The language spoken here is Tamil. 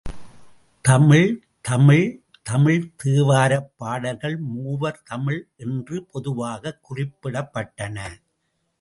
தமிழ் தமிழ் தமிழ் தேவாரப் பாடல்கள் மூவர் தமிழ் என்று பொதுவாகக் குறிப்பிடப்பட்டன.